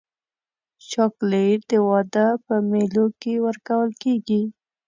چاکلېټ د واده په مېلو کې ورکول کېږي.